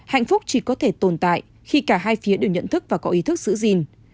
hạnh phúc chỉ có thể tồn tại khi cả hai phía đều nhận thức và có ý thức giữ gìn